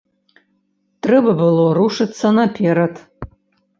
Трэба было рушыцца наперад.